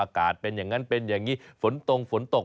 เป็นอย่างนั้นเป็นอย่างนี้ฝนตรงฝนตก